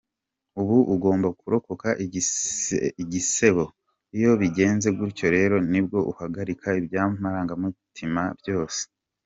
Uba ugomba kurokoka igisebo, iyo bigenze gutyo rero nibwo uhagarika iby’amarangamutima byose.